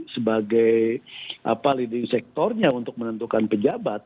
sebagai apa leading sektornya untuk menentukan pejabat